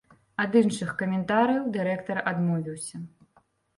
Ад іншых каментарыяў дырэктар адмовіўся.